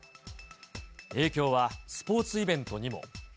影響はスポーツイベントにも。